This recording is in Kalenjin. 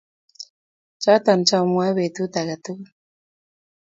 Choto chamwae betut age tugul